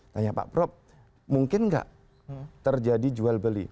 tanya pak prof mungkin nggak terjadi jual beli